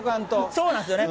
そうなんですよね。